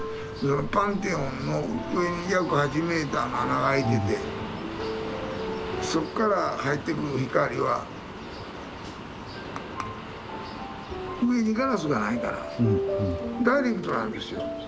パンテオンの上に約８メーターの穴が開いててそっから入ってくる光は上にガラスがないからダイレクトなんですよ。